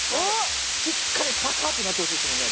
しっかりパカってなってほしいですもんね